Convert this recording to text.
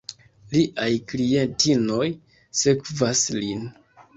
Liaj klientinoj sekvas lin.